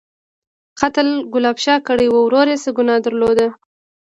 _قتل ګلاب شاه کړی و، ورور يې څه ګناه درلوده؟